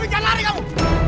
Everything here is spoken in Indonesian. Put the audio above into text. gavin jangan lari kamu